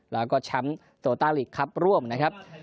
แล้วก็แชมป์โตต้าลีกครับร่วมนะครับ